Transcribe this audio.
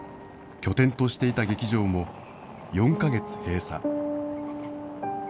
拠点としていた劇場も４か月閉鎖。